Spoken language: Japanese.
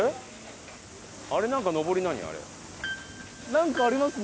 なんかありますね。